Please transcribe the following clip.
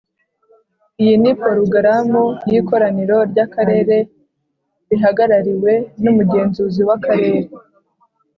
Iyi ni porogaramu y’ikoraniro ry’akarere rihagarariwe n’umugenzuzi w’akarere.